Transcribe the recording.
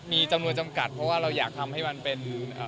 มีจำนวนจำกัดเพราะว่าเราอยากทำให้มันเป็น